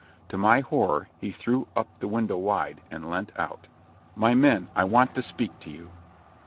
To my horror, he threw up the window wide, and leant out. "My men, I want to speak to you."